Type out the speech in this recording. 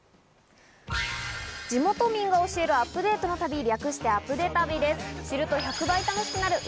地元民が教えるアップデートの旅、略してアプデ旅です。